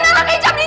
nanti aku kasih amat